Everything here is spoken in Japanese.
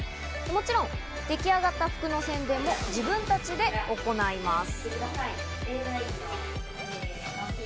もちろん出来上がった服の宣伝も自分たちで行います。